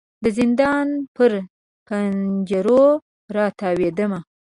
د زندان پر پنجرو را تاویدمه